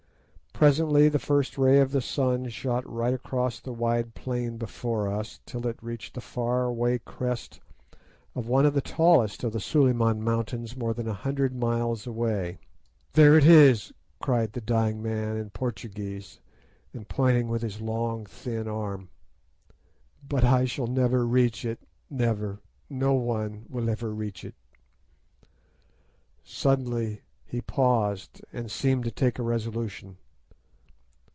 Presently the first ray of the sun shot right across the wide plain before us till it reached the faraway crest of one of the tallest of the Suliman Mountains more than a hundred miles away. "'There it is!' cried the dying man in Portuguese, and pointing with his long, thin arm, 'but I shall never reach it, never. No one will ever reach it!' "Suddenly, he paused, and seemed to take a resolution.